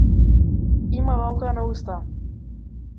Има валкана уста.